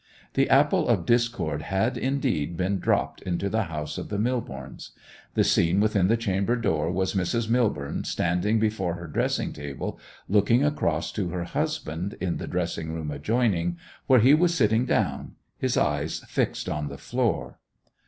The apple of discord had, indeed, been dropped into the house of the Millbornes. The scene within the chamber door was Mrs. Millborne standing before her dressing table, looking across to her husband in the dressing room adjoining, where he was sitting down, his eyes fixed on the floor.